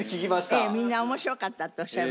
みんな「面白かった」っておっしゃいました。